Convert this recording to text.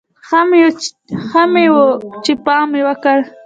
ښه مې و چې پام مې وکړ.